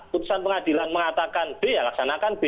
putusan pengadilan mengatakan b ya laksanakan b